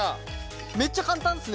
めっちゃ簡単ですね。